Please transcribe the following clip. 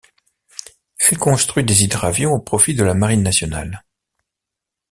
Elle construit des hydravions au profit de la Marine nationale.